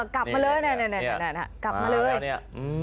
กลับมาเลย